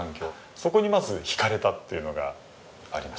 そこにまず惹かれたっていうのがありました。